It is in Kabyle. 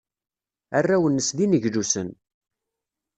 Arraw-nnes d ineglusen.